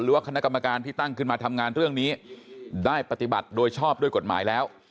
ว่าคณะกรรมการที่ตั้งขึ้นมาทำงานเรื่องนี้ได้ปฏิบัติโดยชอบด้วยกฎหมายแล้ว